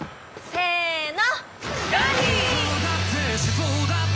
せの！